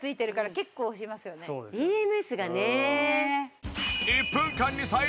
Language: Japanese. ＥＭＳがね。